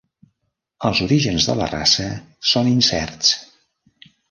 Els orígens de la raça són incerts.